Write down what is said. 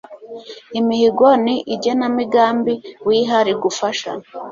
imihigo ni igenamigambi wiha rigufasha